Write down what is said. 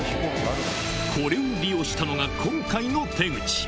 これを利用したのが今回の手口